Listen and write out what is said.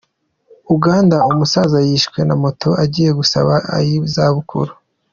Uganda umusaza yishwe na moto agiye gusaba ay’izabukuru